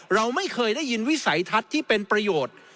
เราไม่เคยได้ยินวิสัยทัศน์ที่เป็นประโยชน์